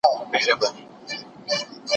ټولنيز علوم د طبيعي علومو په څېر دقيق نه دي.